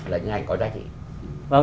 là những ảnh có đáy